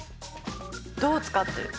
どう使ってる？